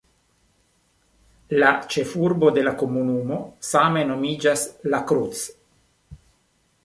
La ĉefurbo de la komunumo same nomiĝas "La Cruz".